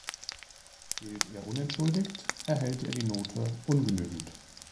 Fehlt er unentschuldigt, erhält er die Note „ungenügend“.